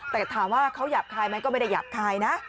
แต่ถามว่าเขาหยาบคายไหมก็ไม่ได้หยาบคายนะ